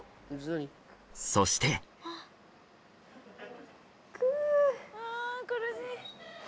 そしてク！